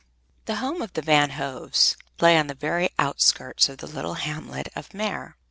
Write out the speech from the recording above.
The home of the Van Hoves lay on the very outskirts of the little hamlet of Meer.